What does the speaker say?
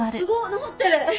直ってる。